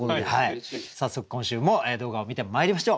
早速今週も動画を観てまいりましょう。